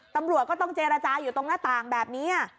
ตำรวจก็ต้องเจรจาอยู่ตรงหน้าต่างแบบนี้